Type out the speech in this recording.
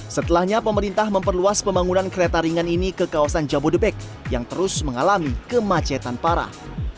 setelahnya pemerintah memperluas pembangunan kereta ringan ini ke kawasan jabodebek yang terus mengalami kemacetan parah